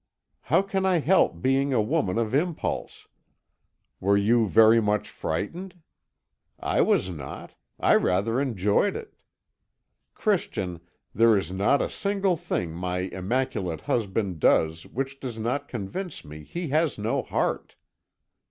"How can I help being a woman of impulse? Were you very much frightened? I was not I rather enjoyed it. Christian, there is not a single thing my immaculate husband does which does not convince me he has no heart.